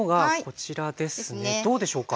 どうでしょうか。